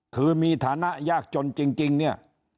คือมีฐานะยากจนจริงเนี่ย